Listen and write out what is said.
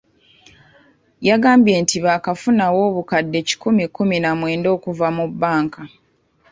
Yagambye nti baakafunawo obukadde kikumi kkumi na mwenda okuva mu bbanka.